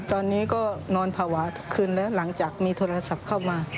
ตอนนี้ก็นอนภาวะคืนแล้วหลังจากมีโทรศัพท์เข้ามา